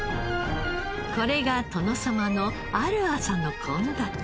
これが殿様のある朝の献立。